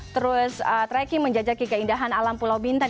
terus trekking menjajaki keindahan alam pulau bintan